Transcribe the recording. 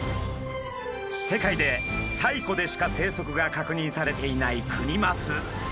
世界で西湖でしか生息が確認されていないクニマス。